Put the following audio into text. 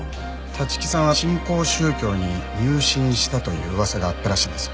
立木さんは新興宗教に入信したという噂があったらしいんです。